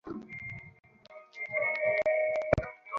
আমি জানি, মা!